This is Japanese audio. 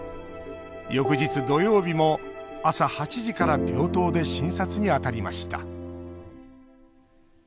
翌日、土曜日も朝８時から病棟で診察に当たりました